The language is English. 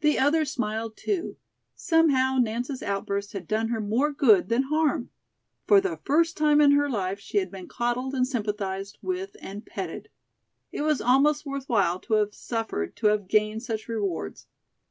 The others smiled, too. Somehow, Nance's outburst had done her more good than harm. For the first time in her life she had been coddled and sympathized with and petted. It was almost worth while to have suffered to have gained such rewards.